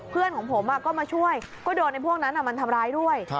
เพื่อนของผมก็มาช่วยก็โดนไอ้พวกนั้นมันทำร้ายด้วย